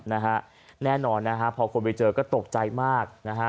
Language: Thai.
นะฮะแน่นอนนะฮะพอคนไปเจอก็ตกใจมากนะฮะ